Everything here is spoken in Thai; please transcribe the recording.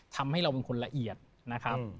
ทำให้เราเป็นคนละเอียดนะครับ